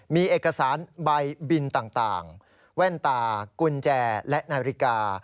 มีเอกสารใบบินต่างแว่นตากุญแจและนาฬิกา